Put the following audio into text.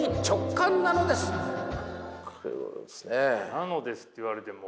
「なのです」って言われても。